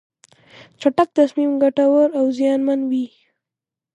چټک تصمیم ګټور او زیانمن وي.